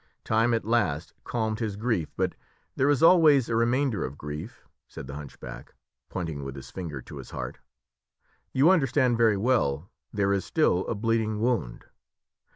Time at last calmed his grief, but there is always a remainder of grief," said the hunchback, pointing with his finger to his heart; "you understand very well, there is still a bleeding wound.